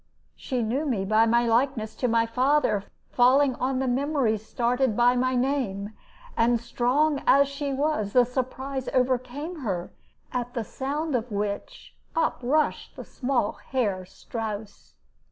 She knew me by my likeness to my father, falling on the memories started by my name; and strong as she was, the surprise overcame her, at the sound of which up rushed the small Herr Strouss.